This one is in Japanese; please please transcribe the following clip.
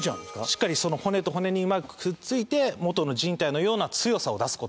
しっかりその骨と骨にうまくくっついて元の靱帯のような強さを出す事ができる。